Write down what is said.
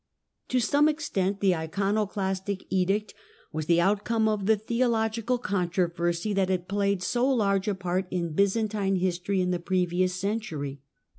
To some extent the Iconoclastic edict was the out ome of the theological controversy that had played so irge a part in Byzantine history in the previous century.